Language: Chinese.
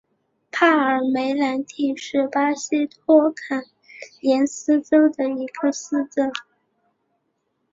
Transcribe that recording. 帕尔梅兰蒂是巴西托坎廷斯州的一个市镇。